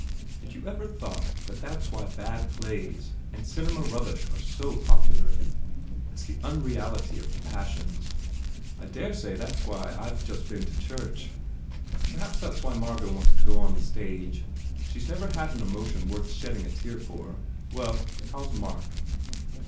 ... Had you ever thought that that s why bad plays and cinema rubbish are so popular? It s the un reality of the passions. ... I dare say that s why I ve just been to church. ... Perhaps that s why Margot wants to go on the stage. She s never had an emotion worth shedding a tear for. Well, how s Mark?"